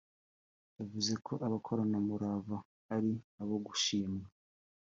yavuze ko “Abakoranamurava” ari abo gushimwa